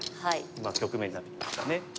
今局面になってきましたね。